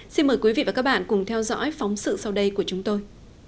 xin mời quý vị và các bạn cùng theo dõi phóng sự sau đây của chúng tôi